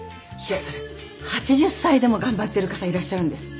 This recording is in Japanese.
それ８０歳でも頑張っている方いらっしゃるんです。